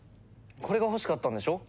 これが欲しかったんでしょ？